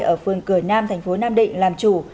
ở phường cửa nam tp nam định làm chủ